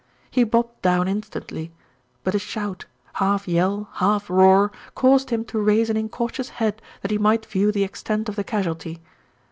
He bobbed down instantly; but a shout, half yell, half roar, caused him to raise an incautious head that he might view the extent of the casualty.